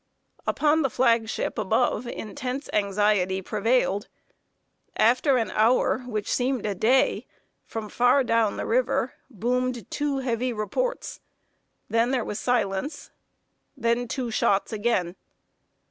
Upon the flag ship above intense anxiety prevailed. After an hour, which seemed a day, from far down the river boomed two heavy reports; then there was silence, then two shots again.